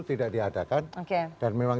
tidak diadakan dan memang